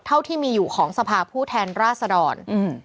เท่าที่มีอยู่ของสภาผู้แทนราษดรอืม